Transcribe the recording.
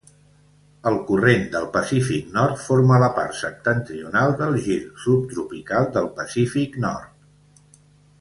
El corrent del Pacífic Nord forma la part septentrional del gir subtropical del Pacífic Nord.